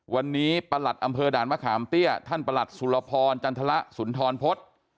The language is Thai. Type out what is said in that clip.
วันนี้ประหลัดอำเภอด่านมะขามเตี้ยท่านประหลัดสุรพรจันทรสุนทรพฤษ